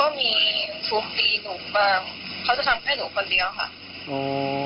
เขาก็มีทุกปีหนุ่มบ้างเค้าจะทำให้หนุ่มคนเดียวค่ะ